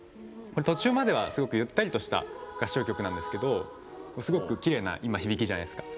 途中まではすごくゆったりとしたすごくきれいな響きじゃないですか。